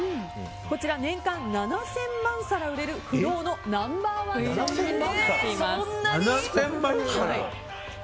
こちら年間７０００万皿売れる不動のナンバー１商品となっています。